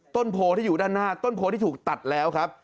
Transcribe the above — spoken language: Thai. ต้นโพที่อยู่ด้านหน้าต้นโพที่ถูกตัดแล้วครับ